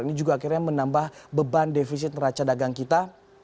ini juga akhirnya menambah beban defisit neraca dagang kita